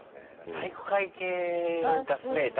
「体育会系ガスメーター」